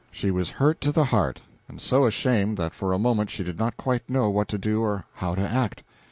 She was hurt to the heart, and so ashamed that for a moment she did not quite know what to do or how to act.